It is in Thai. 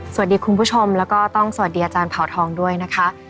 คุณผู้ชมแล้วก็ต้องสวัสดีอาจารย์เผาทองด้วยนะคะ